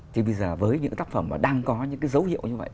thì bây giờ với những cái tác phẩm mà đang có những cái dấu hiệu như vậy